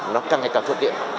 nó càng ngày càng thực hiện